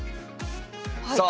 さあ